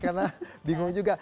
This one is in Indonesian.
karena bingung juga